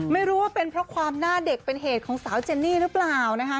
ไม่รู้ว่าเป็นเพราะความหน้าเด็กเป็นเหตุของสาวเจนนี่หรือเปล่านะคะ